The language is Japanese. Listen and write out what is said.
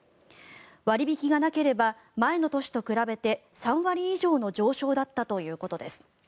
割引がなければ前の年と比べて３割以上の上昇だったということです。